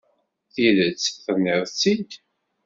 Tidet, tenniḍ-tt-id.